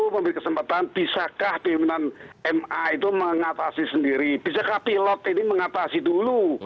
memiliki kesempatan bisa kah dreaman m idrier mengatasi sendiri bisa ka tyloke mengatasi dulu